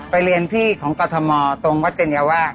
ไปเรียนพี่ของกฏธมาตรงวัตเจเนียว่า